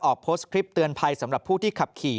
โพสต์คลิปเตือนภัยสำหรับผู้ที่ขับขี่